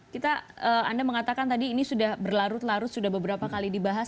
kita anda mengatakan tadi ini sudah berlarut larut sudah beberapa kali dibahas